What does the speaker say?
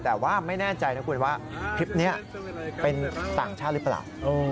แต่ว่าไม่แน่ใจนะคุณว่าคลิปนี้เป็นต่างชาติหรือเปล่า